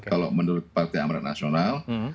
kalau menurut partai amaran nasional